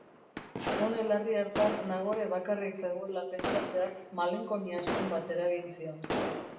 Une larri hartan Nagore bakarrik zegoela pentsatzeak malenkonia astun bat eragin zion.